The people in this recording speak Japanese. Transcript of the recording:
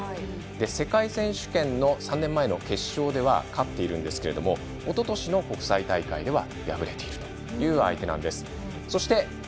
世界選手権の３年前の決勝では勝っているんですけどもおととしの国際大会では敗れているという相手なんです。